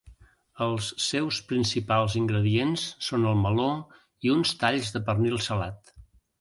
Els seus principals ingredients són el meló i uns talls de pernil salat.